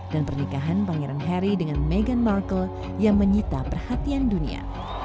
dan pernikahan pangeran harry dengan meghan markle yang menyita perhatian dunia